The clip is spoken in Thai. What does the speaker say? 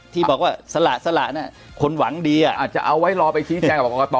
ที่บอกว่าสละสละคนหวังดีอาจจะเอาไว้รอไปชี้แจงกับกรกต